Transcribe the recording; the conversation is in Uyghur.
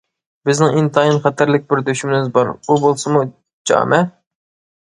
بىزنىڭ ئىنتايىن خەتەرلىك بىر دۈشمىنىمىز بار: ئۇ بولسىمۇ جامە!